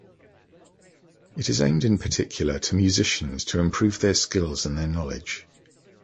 It is aimed in particular to musicians to improve their skills and their knowledge.